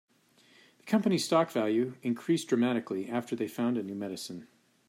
The company's stock value increased dramatically after they found a new medicine.